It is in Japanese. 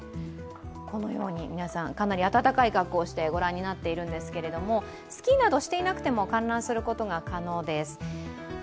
このようにかなり暖かい格好で皆さん御覧になっているんですがスキーなどしていなくても観覧することが可能です。